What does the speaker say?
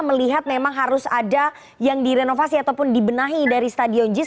melihat memang harus ada yang direnovasi ataupun dibenahi dari stadion jis